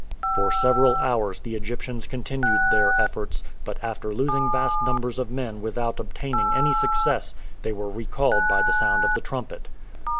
For several hours the Egyptians continued their efforts, but after losing vast numbers of men without obtaining any success they were recalled by the sound of the trumpet.